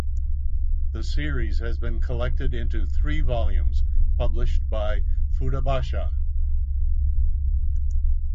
The series has been collected into three volumes published by Futabasha.